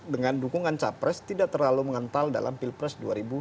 dengan dukungan capres tidak terlalu mengental dalam pilpres dua ribu dua puluh